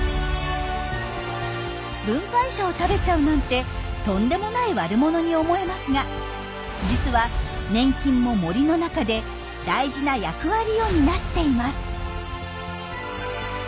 分解者を食べちゃうなんてとんでもない悪者に思えますが実は粘菌も森の中で大事な役割を担っています。